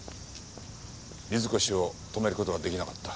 水越を止める事が出来なかった。